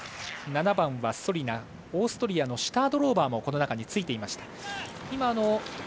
７番はソリナオーストリアのシュタードローバーもこの中についていました。